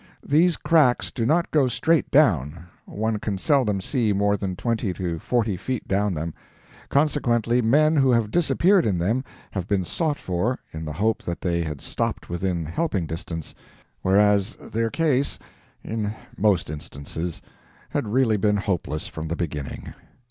These cracks do not go straight down; one can seldom see more than twenty to forty feet down them; consequently men who have disappeared in them have been sought for, in the hope that they had stopped within helping distance, whereas their case, in most instances, had really been hopeless from the beginning.